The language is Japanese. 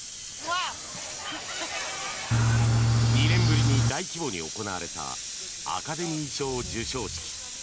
２年ぶりに大規模に行われたアカデミー賞授賞式。